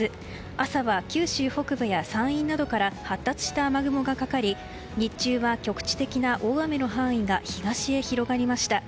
朝は九州北部や山陰などから発達した雨雲がかかり日中は局地的な大雨の範囲が東へ広がりました。